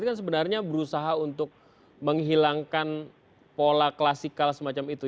tapi kan sebenarnya berusaha untuk menghilangkan pola klasikal semacam itu